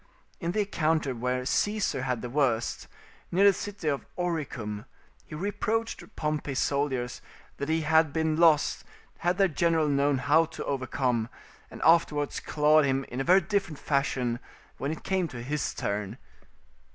In the encounter where Caesar had the worst, near the city of Oricum, he reproached Pompey's soldiers that he had been lost had their general known how to overcome; and afterwards clawed him in a very different fashion when it came to his turn.